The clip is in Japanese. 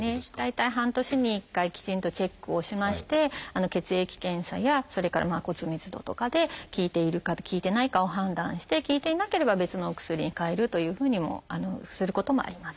大体半年に１回きちんとチェックをしまして血液検査やそれから骨密度とかで効いているか効いてないかを判断して効いていなければ別のお薬にかえるというふうにもすることもあります。